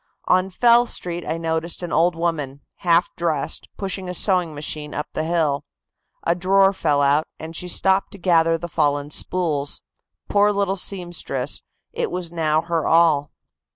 On Fell Street I noticed an old woman, half dressed, pushing a sewing machine up the hill. A drawer fell out, and she stopped to gather the fallen spools. Poor little seamstress, it was now her all."